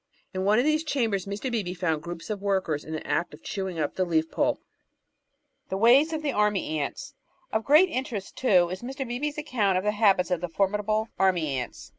In one of these chambers Mr. Beebe found groups of workers in the act of chewing up the leaf pulp. The Ways of Army Ants Of great interest, too, is Mr. Beebe's account of the habits of the formidable Army Ants.